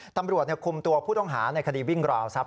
ตำรวจคุมตัวผู้ต้องหาในคดีวิ่งราวทรัพย